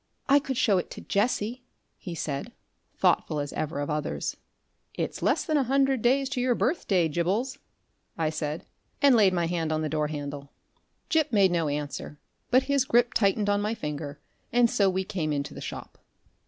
"I could show it to Jessie," he said, thoughtful as ever of others. "It's less than a hundred days to your birthday, Gibbles," I said, and laid my hand on the door handle. Gip made no answer, but his grip tightened on my finger, and so we came into the shop.